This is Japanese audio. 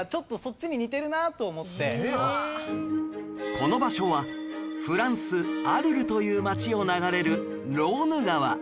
この場所はフランスアルルという町を流れるローヌ川